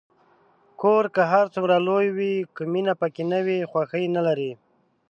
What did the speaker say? کور که هر څومره لوی وي، که مینه پکې نه وي، خوښي نلري.